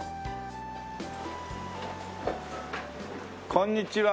こんにちは。